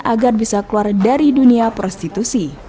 agar bisa keluar dari dunia prostitusi